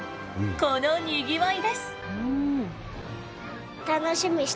このにぎわいです！